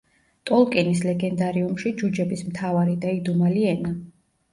ტოლკინის ლეგენდარიუმში ჯუჯების მთავარი და იდუმალი ენა.